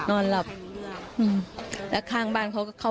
เนื่องจากนี้ไปก็คงจะต้องเข้มแข็งเป็นเสาหลักให้กับทุกคนในครอบครัว